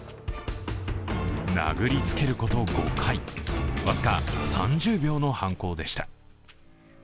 殴りつけること５回、僅か３０秒の犯行でした。